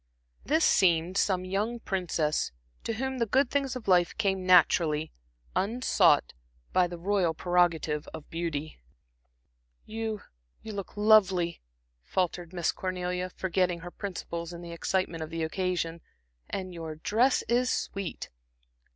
This seemed some young princess, to whom the good things of life came naturally, unsought, by the royal prerogative of beauty. "You you look lovely," faltered Miss Cornelia, forgetting her principles in the excitement of the occasion "and your dress is sweet."